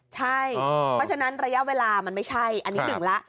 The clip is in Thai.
ใช่เพราะฉะนั้นระยะเวลามันไม่ใช่อันนี้หนึ่งแล้ว